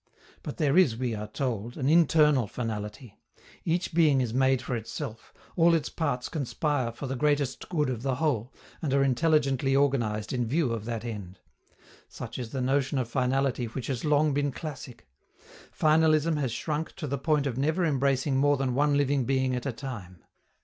But there is, we are told, an internal finality: each being is made for itself, all its parts conspire for the greatest good of the whole and are intelligently organized in view of that end. Such is the notion of finality which has long been classic. Finalism has shrunk to the point of never embracing more than one living being at a time.